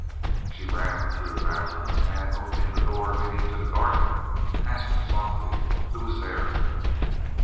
She ran through the bathroom and, opening the door leading to the garden, asked softly, "Who is there?"